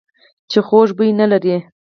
چې خوږ بوی نه لري .